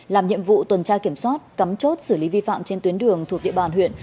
làm nhiệm vụ tuần tra kiểm soát cắm chốt xử lý vi phạm trên tuyến đường thuộc địa bàn huyện